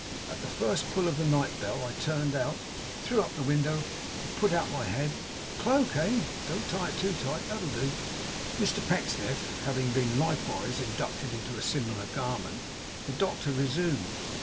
At the first pull of the night bell I turned out, threw up the window, and put out my head. Cloak, eh? Don't tie it too tight. That'll do.' Mr Pecksniff having been likewise inducted into a similar garment, the doctor resumed.